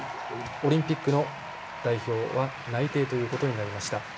オリンピックの代表は内定ということになりました。